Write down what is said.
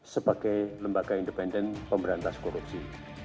sebagai lembaga independen pemberantas korupsi